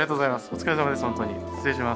お疲れさまです。